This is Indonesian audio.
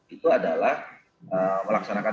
itu adalah melaksanakan